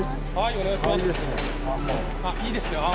お願いします。